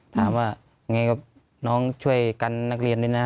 ถามว่าไงครับน้องช่วยกันนักเรียนด้วยนะ